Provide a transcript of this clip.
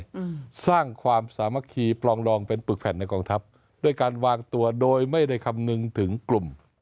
อืมสร้างความสามัคคีปลองดองเป็นปึกแผ่นในกองทัพด้วยการวางตัวโดยไม่ได้คำนึงถึงกลุ่ม